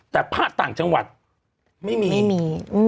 แต่พระต่างจังหวัดไม่มีไม่มี